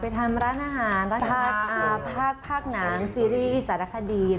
ทำร้านอาหารร้านภาคหนังซีรีส์สารคดี